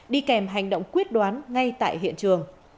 đi kèm hành động quyết đoán ngay tại hiện trường